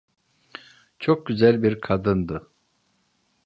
Çok güzel bir kadındı.